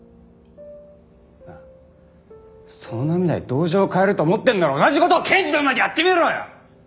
なあその涙で同情を買えると思ってんなら同じ事を検事の前でやってみろよ！